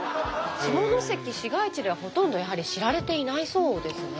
下関市街地ではほとんどやはり知られていないそうですね。